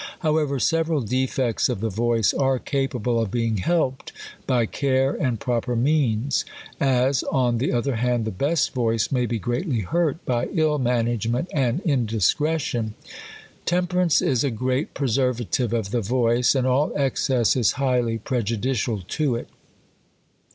However, several defects of the voice are capable of being helped by care and proper means ; as, on the other hand, the best voice may be greatly hurt by ill management and indiscretion. Temperance is a great preservative of the voice, and all excess is highly prej udicial to it.